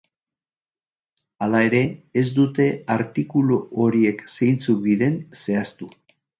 Hala ere, ez dute artikulu horiek zeintzuk diren zehaztu.